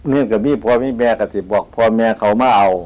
เนี่ยก็มีพ่อมีแม่ก็สิบบอกพ่อแม่เขามาเอา